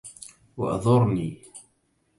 أعذرني